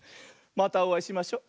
またおあいしましょ。